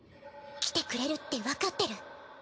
来てくれるってわかってる。